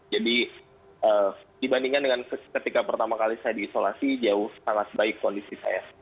jadi dibandingkan dengan ketika pertama kali saya diisolasi jauh sangat baik kondisi saya